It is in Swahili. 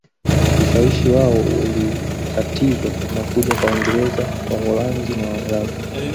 Ushawishi wao ulikatizwa na kuja kwa Waingereza Waholanzi na Waarabu